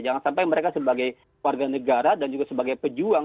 jangan sampai mereka sebagai warga negara dan juga sebagai pejuang